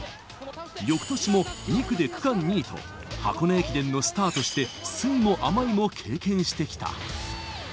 よくとしも２区で区間２位と、箱根駅伝のスタートして酸いも甘いも経験してきた。